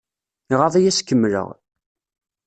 Iɣaḍ-iyi ad as-kemmkeɣ.